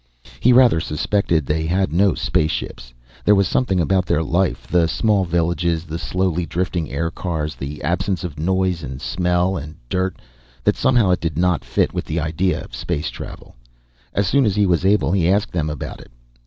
He rather suspected that they had no spaceships. There was something about their life the small villages, the slowly drifting aircars, the absence of noise and smell and dirt, that somehow did not fit with the idea of space travel. As soon as he was able, he asked them about it.